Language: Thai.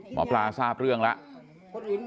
หมอปลาทราบเรื่องแล้ว